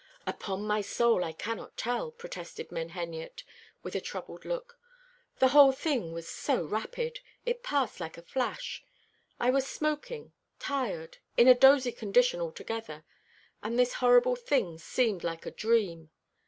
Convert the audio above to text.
"Upon my soul, I cannot tell," protested Menheniot, with a troubled look. "The whole thing was so rapid. It passed like a flash. I was smoking, tired, in a dozy condition altogether, and this horrible thing seemed like a dream.